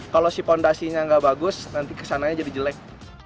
kalau si fondasinya nggak bagus nanti kesananya jadi jelek